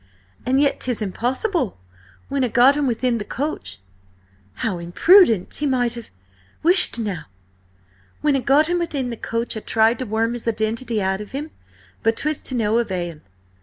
And yet 'tis impossible. When I got him within the coach—" "How imprudent! He might have—" "Whisht now! When I got him within the coach I tried to worm his identity out of him, but 'twas to no avail.